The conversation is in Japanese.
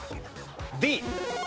Ｄ。